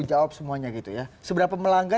jawab semuanya gitu ya sebelah apa melanggar